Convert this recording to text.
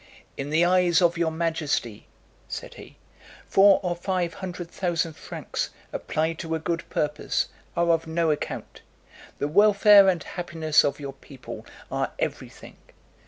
"In the eyes of your majesty," said he, "four or five hundred thousand francs, applied to a good purpose, are of no account. The welfare and happiness of your people are every thing.